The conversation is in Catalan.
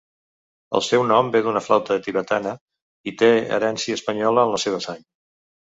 El seu nom ve d'una flauta tibetana, i té herència espanyola en la seva sang.